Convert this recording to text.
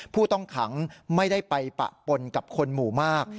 ผู้ต้องขังไม่ได้ไปปะปนกับคนหมู่มาก